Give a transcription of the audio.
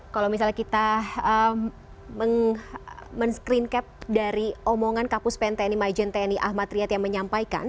kalau misalnya kita men screencap dari omongan kapus pntni majenteni ahmad riyad yang menyampaikan